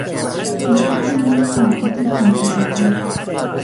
به کسی یک فرصت تازه دادن